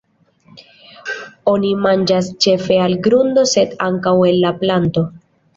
Oni manĝas ĉefe el grundo sed ankaŭ el la planto.